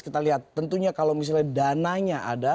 kita lihat tentunya kalau misalnya dananya ada